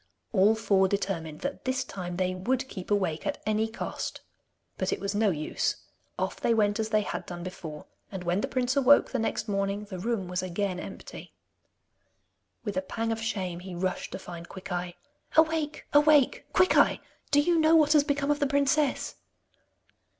All four determined that this time they would keep awake at any cost. But it was no use. Off they went as they had done before, and when the prince awoke the next morning the room was again empty. With a pang of shame, he rushed to find Quickeye. 'Awake! Awake! Quickeye! Do you know what has become of the princess?